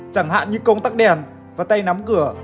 chẳng hạn như công tắc đèn và tay nắm cửa